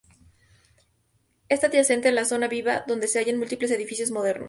Está adyacente a la Zona Viva, donde se hallan múltiples edificios modernos.